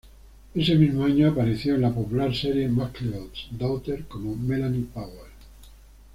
Ese mismo año apareció en la popular serie Mcleod's Daughters como Melanie Powers.